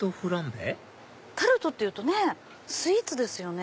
タルトってスイーツですよね。